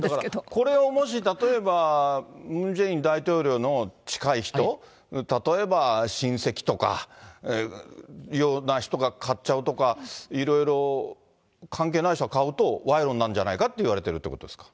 これをもし例えば、ムン・ジェイン大統領の近い人、例えば親戚とかの要な人が買っちゃうとか、いろいろ関係ない人が買うと、賄賂になるんじゃないかといわれてるっていうことですか。